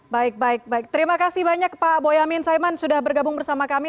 baik baik baik terima kasih banyak pak boyamin saiman sudah bergabung bersama kami